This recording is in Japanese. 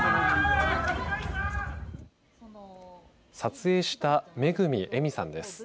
撮影した惠枝美さんです。